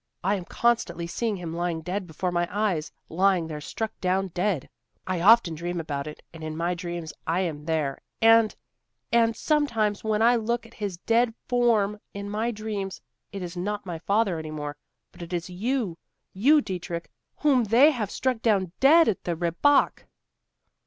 I am constantly seeing him lying dead before my eyes; lying there struck down dead. I often dream about it, and in my dreams I am there and and sometimes when I look at his dead form in my dreams, it is not my father any more, but it is you you, Dietrich, whom they have struck down dead at the Rehbock."